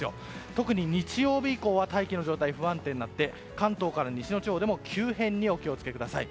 特に日曜日以降は大気の状態が不安定になって関東から西の地方でも急変にお気を付けください。